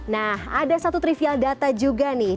nah ada satu trivial data juga nih